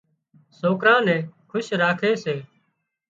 سوڪران نين خوش راکي سي